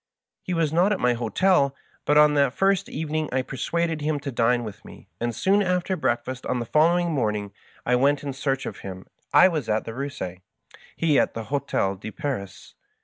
He was not at my hotel, but on that first evening I persuaded him to dine with me, and tfoon after breakfast on the following morning I went in search of him ; I was at the Eussie, he at the Hdtel de Paris.